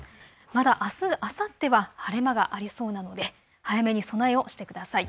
あす、あさってはまだ晴れ間がありそうですので早めに備えをしてください。